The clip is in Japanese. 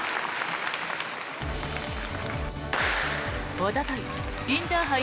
おとといインターハイ